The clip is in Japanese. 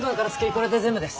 これで全部です。